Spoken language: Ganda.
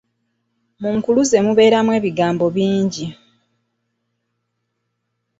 Mu nkuluze mubeeramu ebigambo bingi.